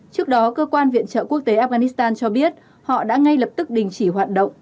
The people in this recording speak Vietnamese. trước đó cơ quan viện trợ quốc tế afghanistan cho biết họ đã ngay lập tức đình chỉ hoạt động